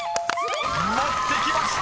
［持ってきました！